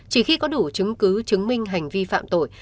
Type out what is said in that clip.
chỉ khi có đủ chứng cứ chứng minh hành vi phạm tội